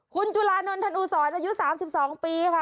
คุณจุลานนทนอูศรอายุ๓๒ปีค่ะ